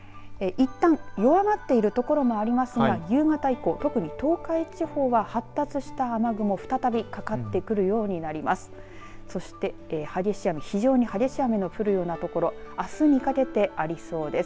いったん弱まっている所もありますが夕方以降、特に東海地方は発達した雨雲、再びかかってくるようになります。